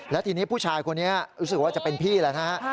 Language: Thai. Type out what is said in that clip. และทีนี้ผู้ชายคนนี้รู้สึกว่าจะเป็นพี่แล้วนะฮะ